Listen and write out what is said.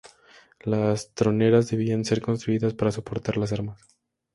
Las troneras debían ser construidas para soportar las armas.